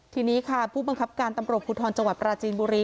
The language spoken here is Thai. ทีนี้ค่ะผู้บังคับการตำรวจภูทรจังหวัดปราจีนบุรี